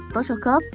bảy tốt cho khớp